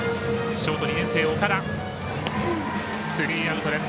ショート、２年生、岡田スリーアウトです。